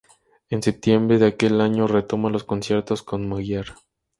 En septiembre de aquel año retoma los conciertos con "Magiar".